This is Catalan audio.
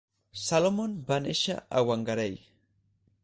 Salmon va néixer a Whangarei.